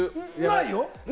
ないよ。